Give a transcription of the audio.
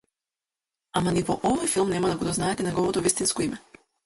Ама ни во овој филм нема да го дознаете неговото вистинско име.